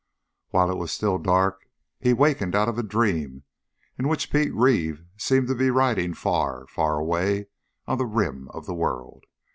While it was still dark, he wakened out of a dream in which Pete Reeve seemed to be riding far far away on the rim of the world.